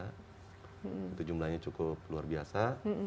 itu jumlahnya cukup luar biasa